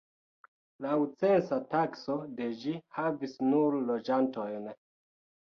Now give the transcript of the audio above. Laŭ censa takso de ĝi havis nur loĝantojn.